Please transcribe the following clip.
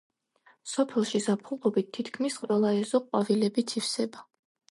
სოფელში ზაფხულობით თითქმის ყველა ეზო ყვავილებით ივსება.